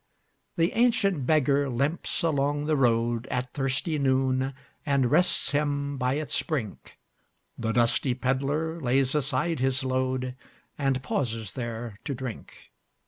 The ancient beggar limps along the roadAt thirsty noon, and rests him by its brink; The dusty pedlar lays aside his load, And pauses there to drink.